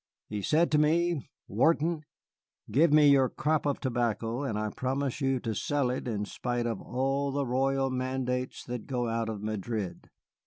He said to me, 'Wharton, give me your crop of tobacco and I promise you to sell it in spite of all the royal mandates that go out of Madrid.